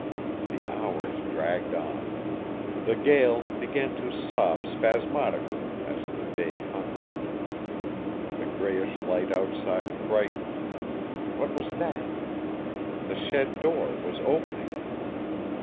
The hours dragged on. The gale began to sob spasmodically as the day conquered it. The grayish light outside brightened what was that? The shed door was opening!